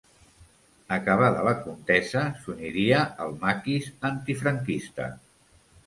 Acabada la contesa s'uniria al Maquis antifranquista.